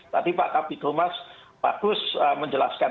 tadi pak kapi thomas bagus menjelaskan